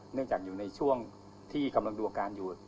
เนื่องจากอยู่ในช่วงที่กำลังดูอาการอยู่